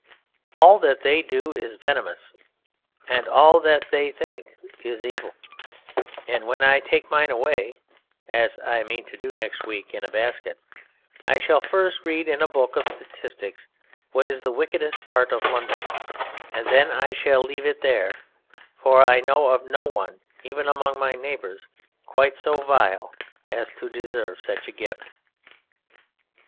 All that They do is venomous, and all that They think is evil, and when I take mine away (as I mean to do next week in a basket), I shall first read in a book of statistics what is the wickedest part of London, and I shall leave It there, for I know of no one even among my neighbours quite so vile as to deserve such a gift.